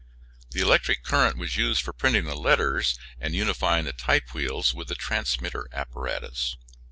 The electric current was used for printing the letters and unifying the type wheels with the transmitting apparatus.